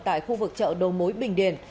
tại khu vực chợ đầu mối bình điền